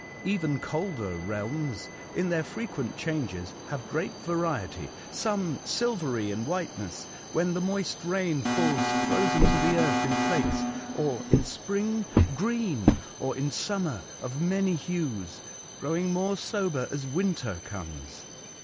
Even colder realms, in their frequent changes, have great variety — some silvery in whiteness, when the moist rain falls frozen to the earth in flakes ; or in spring, green; or in summer, of many hues, growing more sober as winter comes.